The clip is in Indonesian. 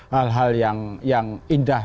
hal hal yang indah